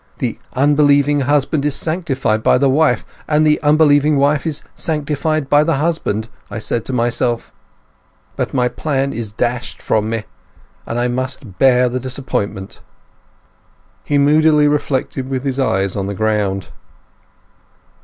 'The unbelieving husband is sanctified by the wife, and the unbelieving wife is sanctified by the husband,' I said to myself. But my plan is dashed from me; and I must bear the disappointment!" He moodily reflected with his eyes on the ground.